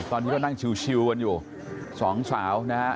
ตอนนี้ก็นั่งชิวกันอยู่สองสาวนะฮะ